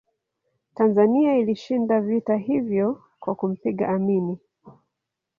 tanzania ilishinda vita hivyo kwa kumpiga amini